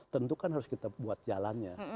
tentu kan harus kita buat jalannya